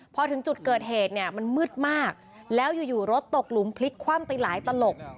พอถึงจุดเกิดเหตุเนี่ยมันมืดมากแล้วอยู่รถตกหลุมพลิกคว่ำไปหลายตลบ